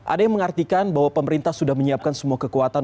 ada yang mengartikan bahwa pemerintah sudah menyiapkan semua kekuatan